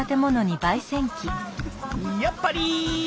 やっぱり！